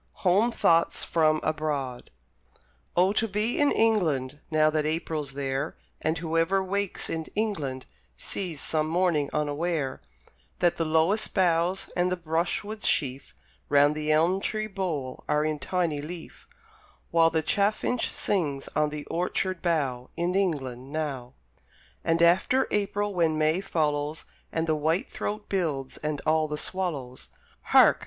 HOME THOUGHTS FROM ABROAD Oh, to be in England Now that April's there, And whoever wakes in England Sees, some morning, unaware, That the lowest boughs and the brushwood sheaf Round the elm tree bole are in tiny leaf, While the chaffinch sings on the orchard bough In England now! And after April, when May follows, And the white throat builds, and all the swallows! Hark!